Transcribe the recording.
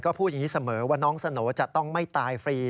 ก็พูดอย่างนี้เสมอว่าน้องสโหน่จะต้องไม่ตายฟรี